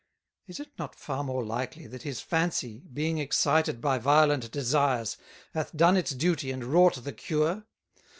Is it not far more likely, that his Fancy, being excited by violent Desires, hath done its Duty and wrought the Cure?